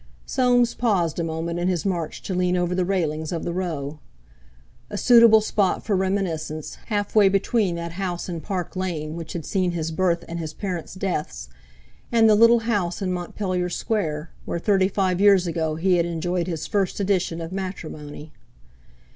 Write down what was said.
Soames paused a moment in his march to lean over the railings of the Row. A suitable spot for reminiscence, half way between that house in Park Lane which had seen his birth and his parents' deaths, and the little house in Montpellier Square where thirty five years ago he had enjoyed his first edition of matrimony.